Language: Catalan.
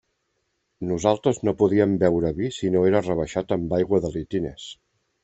Nosaltres no podíem beure vi si no era rebaixat amb aigua de litines.